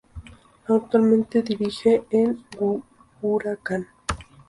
Actualmente dirige en Huracán.